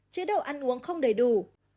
chế độ ăn uống không đầy đủ